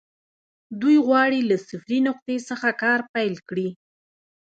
دوی غواړي له صفري نقطې څخه کار پيل کړي.